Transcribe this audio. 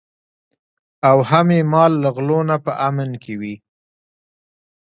او هم یې مال له غلو نه په امن کې وي.